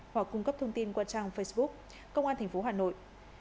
hoặc cung cấp thông tin qua trang facebook công an tp hà nội